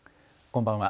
こんばんは。